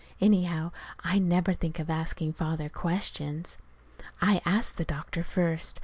Anyhow, I never think of asking Father questions. I asked the doctor first.